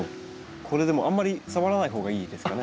これでもあんまり触らない方がいいですかね？